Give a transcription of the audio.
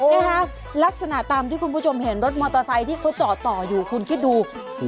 นะคะลักษณะตามที่คุณผู้ชมเห็นรถมอเตอร์ไซค์ที่เขาจอดต่ออยู่คุณคิดดู